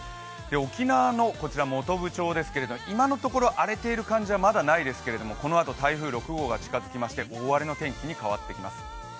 沖縄の本部町ですけれども、今のところ荒れている様子はまだないですけれどもこのあと台風６号が近づきまして大荒れの天気に変わってきます。